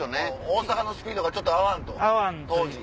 大阪のスピードがちょっと合わんと当時。